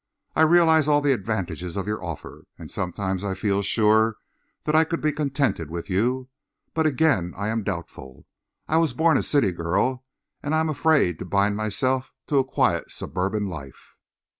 I realize all the advantages of your offer, and sometimes I feel sure that I could be contented with you. But, again, I am doubtful. I was born a city girl, and I am afraid to bind myself to a quiet suburban life."